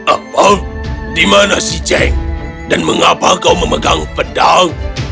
apa dimana si cheng dan mengapa kau memegang pedang